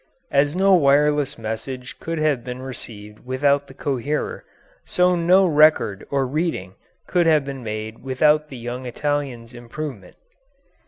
As no wireless message could have been received without the coherer, so no record or reading could have been made without the young Italian's improvement.